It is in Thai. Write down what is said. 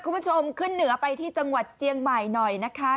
คุณผู้ชมขึ้นเหนือไปที่จังหวัดเจียงใหม่หน่อยนะคะ